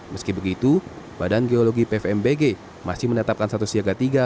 meski begitu badan geologi pvmbg masih menetapkan satu siaga tiga